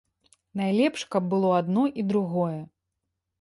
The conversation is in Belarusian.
Найлепш, каб было адно і другое.